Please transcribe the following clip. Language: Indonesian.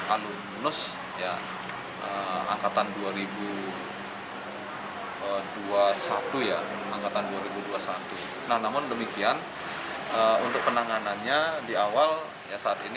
alumnus ya angkatan dua ribu dua puluh satu ya angkatan dua ribu dua puluh satu nah namun demikian untuk penanganannya di awal ya saat ini